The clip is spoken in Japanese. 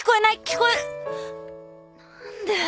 何で？